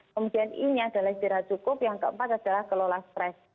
kemudian ini adalah istirahat cukup yang keempat adalah kelola stres